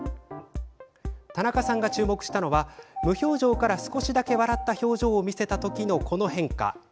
田中さんが注目したのは無表情から少しだけ笑った表情を見せた時の変化。